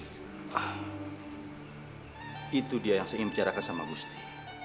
ah itu dia yang saya ingin bercarakan sama gusti